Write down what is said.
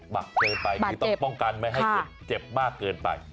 หนักเกินไปคือต้องป้องกันไม่ให้เจ็บมากเกินไป